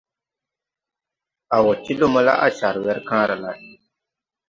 A wo ti lumo la, a car wer kããra lay.